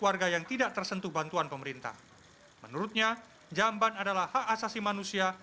warga yang tidak tersentuh bantuan pemerintah menurutnya jamban adalah hak asasi manusia